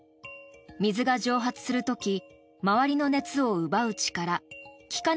水が蒸発する時周りの熱を奪う力気化